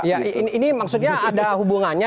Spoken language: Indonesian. ini maksudnya ada hubungannya